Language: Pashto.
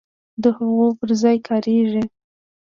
د هغو پر ځای کاریږي.